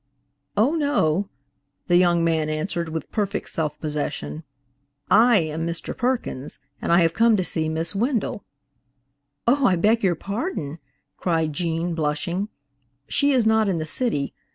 "Oh no," the young man answered, with perfect self possession, "I am Mr. Perkins, and I have come to see Miss Wendell." "Oh, I beg your pardon," cried Gene, blushing. "She is not in the city.